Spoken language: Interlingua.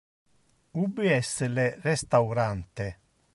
Ubi es le restaurante?